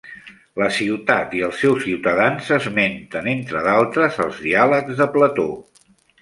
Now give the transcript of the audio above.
La ciutat i els seus ciutadans s'esmenten, entre d'altres, als Diàlegs de Plató.